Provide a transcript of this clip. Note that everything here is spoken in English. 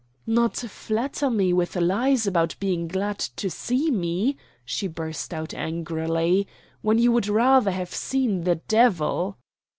"Not flatter me with lies about being glad to see me," she burst out angrily, "when you would rather have seen the devil."